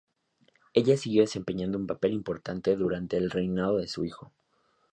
Ella siguió desempeñando un papel importante durante el reinado de su hijo.